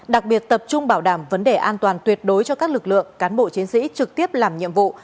đặc biệt tập trung bảo đảm vấn đề an toàn tuyệt đối cho các lực lượng cán bộ chiến sĩ trực tiếp làm nhiệm vụ